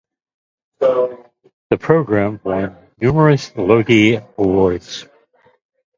The program won numerous Logie Awards.